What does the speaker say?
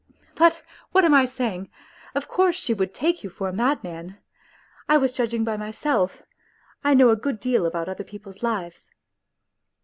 ... But what am I saying ? Of course she would take you for a madman. I was judging by myself ; I know a good deal about other people's lives."